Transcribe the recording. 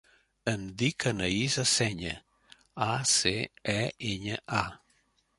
Em dic Anaïs Aceña: a, ce, e, enya, a.